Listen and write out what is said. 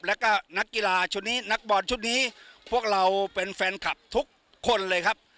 แล้วก็นักกีฬาชุดนี้นักบอลชุดนี้พวกเราเป็นแฟนคลับทุกคนเลยครับ